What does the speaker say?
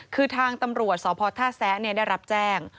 คือทางตำรวจสพท่าแซะได้รับแจ้ง